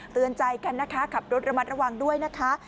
เตือนใจกันนะคะขับรถระมัดระวังด้วยนะคะ